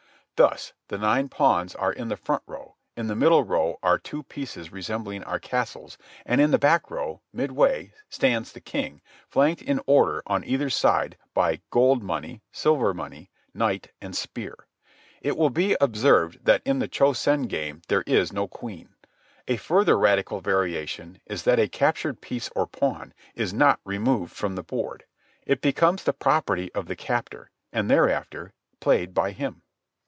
Thus, the nine pawns are in the front row; in the middle row are two pieces resembling our castles; and in the back row, midway, stands the king, flanked in order on either side by "gold money," "silver money," "knight," and "spear." It will be observed that in the Cho Sen game there is no queen. A further radical variation is that a captured piece or pawn is not removed from the board. It becomes the property of the captor and is thereafter played by him.